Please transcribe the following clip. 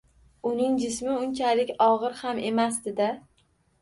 Uning jismi unchalik og‘ir ham emasdi-da.